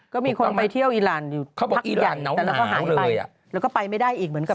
ก็มีคนไปเที่ยวอีรานอยู่เขาพักอีหลั่นแต่แล้วเขาหายไปแล้วก็ไปไม่ได้อีกเหมือนกัน